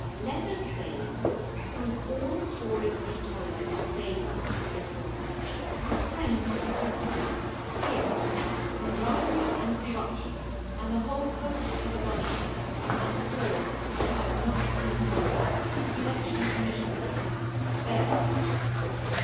LET US SAY, From all Tory intolerance save us, Reformers. Friends of Reform, hear us. From bribery and corruption, and the whole host of Adullamites, and all that have not clean hands, Election Commissioners, spare us.